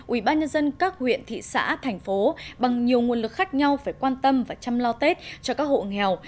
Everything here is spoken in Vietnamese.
ubnd các huyện thị xã thành phố bằng nhiều nguồn lực khác nhau phải quan tâm và chăm lo tết cho các hộ nghèo